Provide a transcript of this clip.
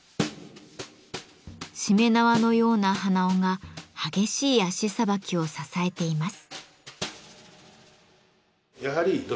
しめ縄のような鼻緒が激しい足さばきを支えています。